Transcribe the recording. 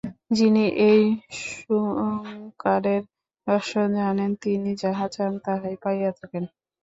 যিনি এই ওঙ্কারের রহস্য জানেন, তিনি যাহা চান, তাহাই পাইয়া থাকেন।